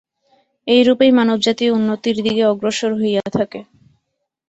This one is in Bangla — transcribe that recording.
এইরূপেই মানবজাতি উন্নতির দিকে অগ্রসর হইয়া থাকে।